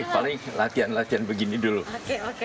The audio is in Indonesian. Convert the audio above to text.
paling latihan latihan begini dulu